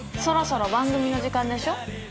そろそろ番組の時間でしょ？